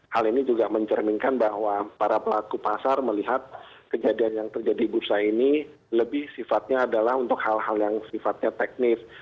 hal ini juga mencerminkan bahwa para pelaku pasar melihat kejadian yang terjadi di bursa ini lebih sifatnya adalah untuk hal hal yang sifatnya teknis